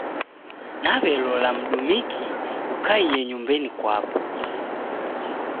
Naw'elola mdumiki ukaie nyumbenyi kwapo.